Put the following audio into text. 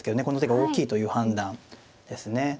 この手が大きいという判断ですね。